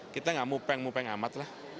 kita tidak memupeng mupeng amat